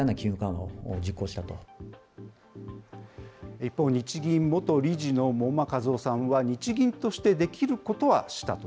一方、日銀元理事の門間一夫さんは、日銀としてできることはしたと。